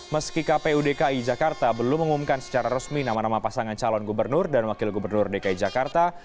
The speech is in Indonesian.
meski kpu dki jakarta belum mengumumkan secara resmi nama nama pasangan calon gubernur dan wakil gubernur dki jakarta